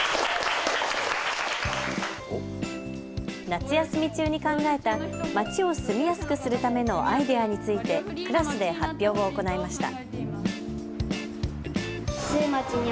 夏休み中に考えた町を住みやすくするためのアイデアについてクラスで発表を行いました。